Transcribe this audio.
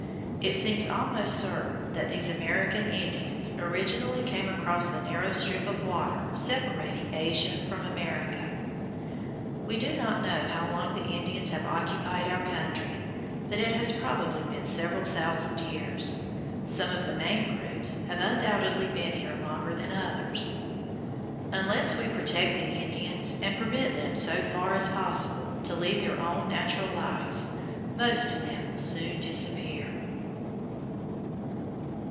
It seems almost certain that these American Indians originally came across the narrow strip of water separating Asia from America. We do not know how long the Indians have occupied our country, but it has probably been several thousand years. Some of the main groups have undoubtedly been here longer than others. Unless we protect the Indians and permit them so far as possible to lead their own natural lives, most of them will soon disappear.